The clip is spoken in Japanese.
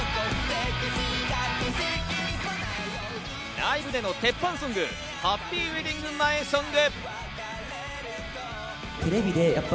ライブでの鉄板ソング『ハッピーウェディング前ソング』。